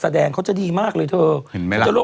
แสดงเขาจะดีมากเลยเถอะ